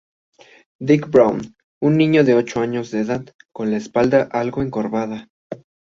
Dick Brown: un niño de ocho años de edad, con la espalda algo encorvada.